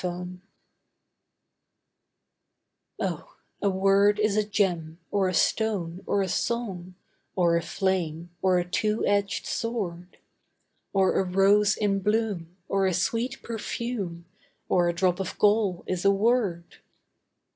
THE WORD Oh, a word is a gem, or a stone, or a song, Or a flame, or a two edged sword; Or a rose in bloom, or a sweet perfume, Or a drop of gall, is a word.